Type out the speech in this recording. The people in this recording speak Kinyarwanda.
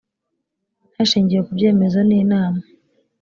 hashingiwe ku byemejwe n inama